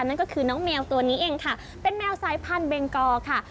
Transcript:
นั่นก็คือน้องแมวตัวนี้เองค่ะเป็นแมวสายพันธเบงกอค่ะ